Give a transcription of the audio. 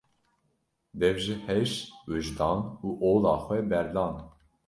Dev ji heş, wijdan û ola xwe berdan.